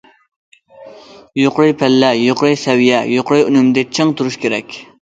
يۇقىرى پەللە، يۇقىرى سەۋىيە، يۇقىرى ئۈنۈمدە چىڭ تۇرۇش كېرەك.